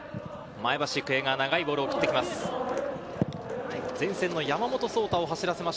前橋育英が長いボールを送ってきます。